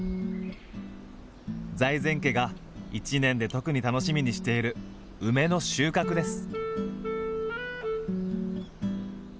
財前家が一年で特に楽しみにしている梅の収穫です。